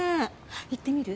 行ってみる？